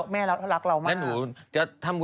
แม่รักเรามาก